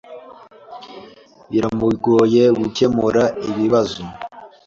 Biramugoye gukemura ikibazo.